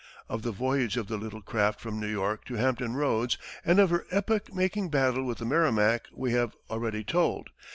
Of the voyage of the little craft from New York to Hampton Roads, and of her epoch making battle with the Merrimac we have already told.